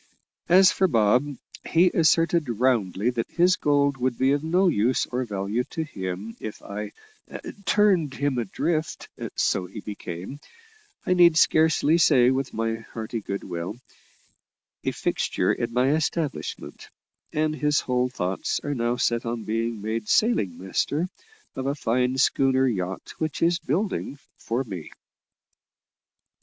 As for Bob, he asserted roundly that his gold would be of no use or value to him if I "turned him adrift," so he became, I need scarcely say with my hearty good will, a fixture in my establishment; and his whole thoughts are now set on being made sailing master of a fine schooner yacht which is building for me.